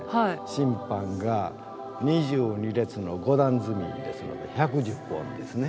「審判」が２２列の５段積みですので１１０本ですね。